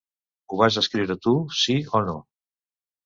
Ho vas escriure tu, sí o no?